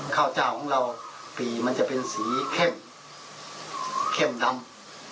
ข้าวเจ้าของเราปีมันจะเป็นสีเข้มเข้มดำ